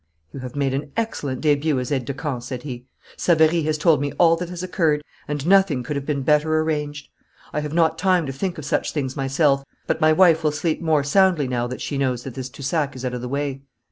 'You have made an excellent debut as aide de camp,' said he; 'Savary has told me all that has occurred, and nothing could have been better arranged. I have not time to think of such things myself, but my wife will sleep more soundly now that she knows that this Toussac is out of the way.'